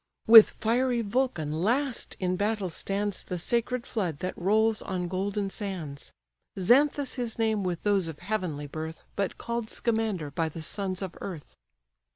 With fiery Vulcan last in battle stands The sacred flood that rolls on golden sands; Xanthus his name with those of heavenly birth, But called Scamander by the sons of earth.